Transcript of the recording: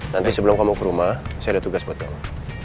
nanti sebelum kamu ke rumah saya ada tugas buat kamu